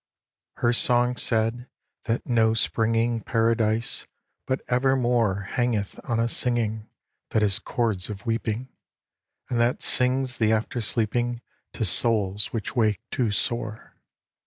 Her song said that no springing Paradise but evermore Hangeth on a singing That has chords of weeping, And that sings the after sleeping To souls which wake too sore.